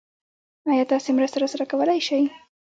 ايا تاسې مرسته راسره کولی شئ؟